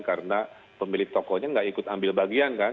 karena pemilik tokonya nggak ikut ambil bagian kan